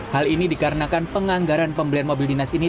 hal ini dikarenakan penganggaran pembelian mobil dinas ini